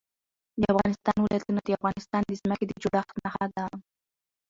د افغانستان ولايتونه د افغانستان د ځمکې د جوړښت نښه ده.